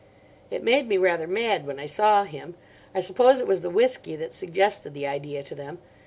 It made me rather mad when I saw him. I suppose it was the whisky that suggested the idea to them.